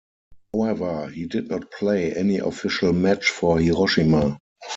However, he did not play any official match for Hiroshima.